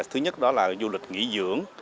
thứ nhất đó là du lịch nghỉ dưỡng